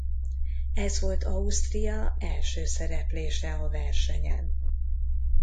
Ez volt Ausztria első szereplése a versenyen.